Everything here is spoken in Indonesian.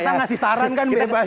kita ngasih saran kan bebas